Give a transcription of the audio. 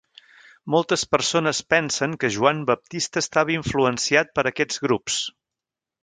Moltes persones pensen que Joan Baptista estava influenciat per aquests grups.